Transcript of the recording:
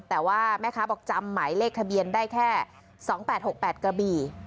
แต่ว่าแม่ค้าบอกจำหมายเลขทะเบียนได้แค่๒๘๖๘กระบี่